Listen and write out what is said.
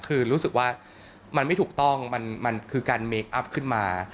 คือรู้สึกว่ามันไม่ถูกต้องมันคือการเมคอัพขึ้นมา